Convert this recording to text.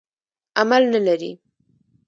عمل نه لري.